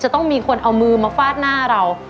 ต้องมีคนเอามือมาฟาดหน้าเรา